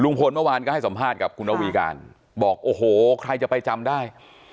เมื่อวานก็ให้สัมภาษณ์กับคุณอวีการบอกโอ้โหใครจะไปจำได้